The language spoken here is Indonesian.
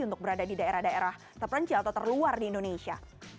untuk berada di daerah daerah terpencil atau terluar di indonesia